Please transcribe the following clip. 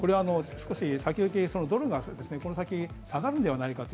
先行き、ドルがこの先下がるんではないか。